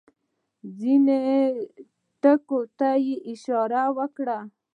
ځینو ټکو ته یې اشاره وکړه.